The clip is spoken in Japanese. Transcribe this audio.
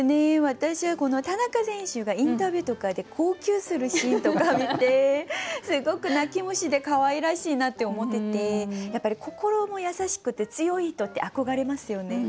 私はこの田中選手がインタビューとかで号泣するシーンとか見てすごく泣き虫でかわいらしいなって思っててやっぱり心も優しくて強い人って憧れますよね。